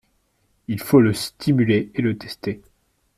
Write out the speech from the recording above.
Il faut le stimuler et le tester.